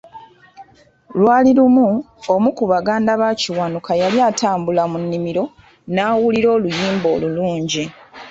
Lwali lumu omu ku baganda ba Kiwanuka yali atambula mu nnimiro n'awulira oluyimba olulungi .